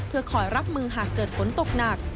เพื่อคอยรับมือหากเกิดฝนตกหนัก